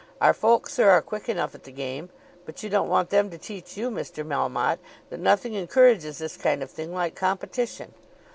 Our folk, sir, are quick enough at the game; but you don't want me to teach you, Mr. Melmotte, that nothing encourages this kind of thing like competition.